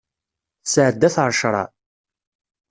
Tesɛedda-t ar ccṛeɛ.